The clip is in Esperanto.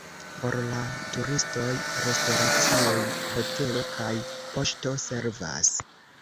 Por la turistoj restoracioj, hotelo kaj poŝto servas.